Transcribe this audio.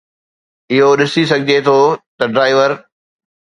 اهو ڏسي سگهجي ٿو ته ڊرائيور